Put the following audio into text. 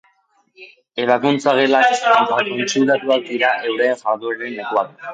Ebakuntza-gelak eta kontsultak dira euren jardueraren lekuak.